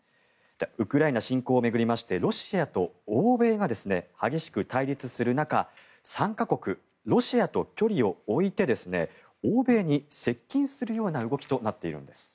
ウクライナ侵攻を巡りましてロシアと欧米が激しく対立する中３か国、ロシアと距離を置いて欧米に接近するような動きとなっているんです。